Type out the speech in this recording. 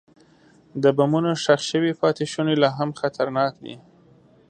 د بمونو ښخ شوي پاتې شوني لا هم خطرناک دي.